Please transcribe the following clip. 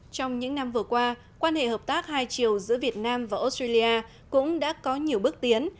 trong những năm vừa qua quan hệ hợp tác hai chiều giữa việt nam và australia cũng đã có nhiều bước tiến